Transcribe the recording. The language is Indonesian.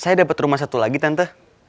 saya dapat rumah satu lagi tante